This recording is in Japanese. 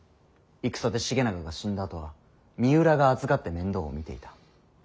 戦で重長が死んだあとは三浦が預かって面倒を見ていた。